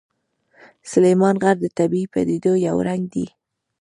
سلیمان غر د طبیعي پدیدو یو رنګ دی.